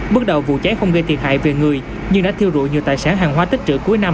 bước đầu vụ cháy không gây thiệt hại về người nhưng đã thiêu rụi nhiều tài sản hàng hóa tích trữ cuối năm